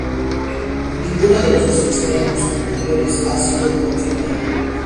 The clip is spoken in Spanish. Ninguno de los dos extremos anteriores ha sido confirmado.